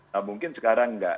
nah mungkin sekarang tidak